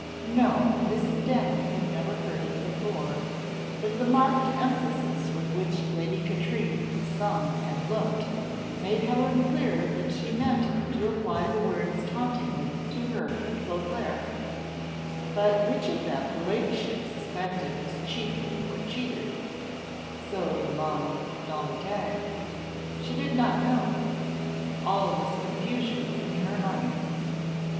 No Miss Stanley had never heard it before; but the marked emphasis with which Lady Katrine sung and looked, made Helen clear that she meant to apply the words tauntingly to her and Beauclerc, but which of them her ladyship suspected was cheating, or cheated "sous le nom d'amitié," she did not know. All was confusion in her mind.